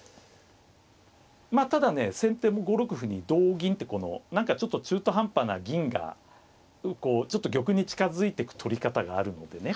まあただね先手も５六歩に同銀ってこの何かちょっと中途半端な銀がこうちょっと玉に近づいてく取り方があるのでね。